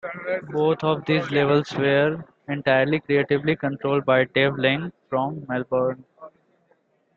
Both of these labels were entirely creatively controlled by Dave Laing, from Melbourne.